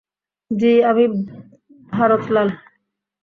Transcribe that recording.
জ্বি, আমি ভারত লাল।